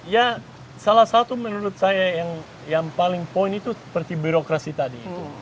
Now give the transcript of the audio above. ya salah satu menurut saya yang paling poin itu seperti birokrasi tadi